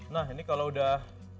nah ini kalau udah